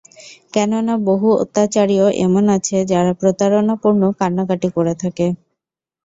কেননা, বহু অত্যাচারীও এমন আছে যারা প্রতারণাপূর্ণ কান্নাকাটি করে থাকে।